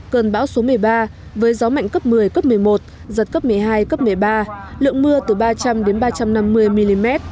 cơn bão số một mươi ba với gió mạnh cấp một mươi cấp một mươi một giật cấp một mươi hai cấp một mươi ba lượng mưa từ ba trăm linh ba trăm năm mươi mm